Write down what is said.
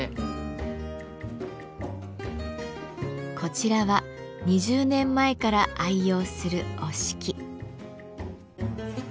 こちらは２０年前から愛用する折敷。